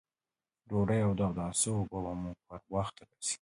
ډوډۍ او د اوداسه اوبه به مو پر وخت راځي!